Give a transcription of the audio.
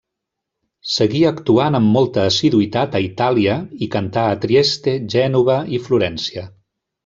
Seguí actuant amb molta assiduïtat a Itàlia i cantà a Trieste, Gènova i Florència.